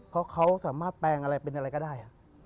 เพราะเขาสามารถแปลงอะไรเป็นอะไรก็ได้